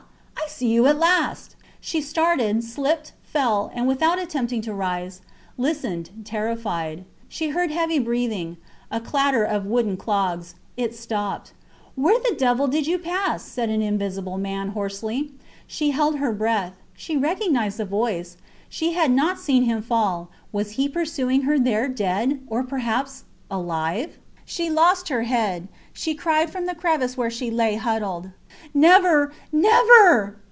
I see you at last! She started, slipped, fell; and without attempting to rise, listened, terrified. She heard heavy breathing, a clatter of wooden clogs. It stopped. Where the devil did you pass? said an invisible man, hoarsely. She held her breath. She recognized the voice. She had not seen him fall. Was he pursuing her there dead, or perhaps ... alive? She lost her head. She cried from the crevice where she lay huddled, Never, never!